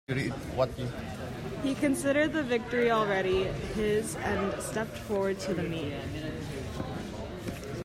He considered the victory already his and stepped forward to the meat.